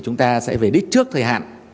chúng ta sẽ về đích trước thời hạn